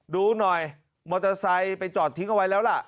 ดูหน่อยมอเตอร์ไซค์ไปจอดทิ้งเอาไว้แล้วล่ะ